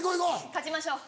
勝ちましょう。